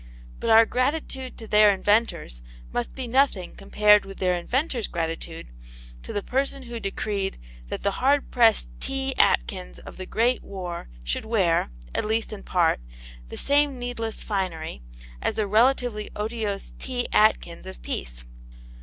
But our gratitude to their inventors must be nothing compared with their inventors' gratitude to the person who decreed that the hard pressed T. Atkins of the Great War should wear (at least in part) the same needless finery as the relatively otiose T. Atkins of Peace.